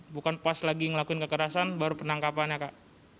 bukan pas lagi ngelakuin kekerasan baru penangkapannya kak